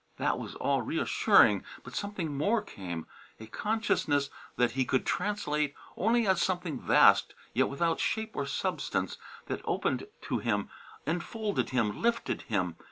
That was all reassuring; but something more came: a consciousness that he could translate only as something vast, yet without shape or substance, that opened to him, enfolded him, lifted him.